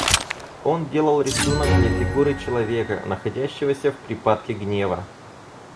Он делал рисунок для фигуры человека, находящегося в припадке гнева.